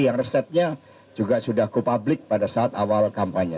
yang resepnya juga sudah go public pada saat awal kampanye